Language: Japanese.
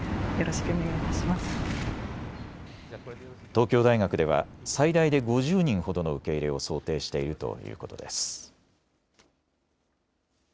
東京大学では最大で５０人ほどの受け入れを想定しているということです。